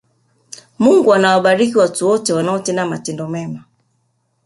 mungu anawabariki watu wote wanaotenda matendo mema